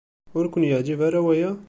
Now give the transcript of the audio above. Ur ken-yeɛjib ara waya?